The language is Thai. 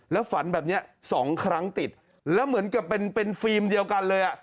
แล้วฝันแบบนี้๒ครั้งติดแล้วเหมือนกับเป็นฟิล์มเดียวกันเลย